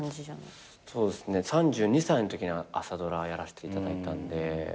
そうですね３２歳のときに朝ドラやらせていただいたんで。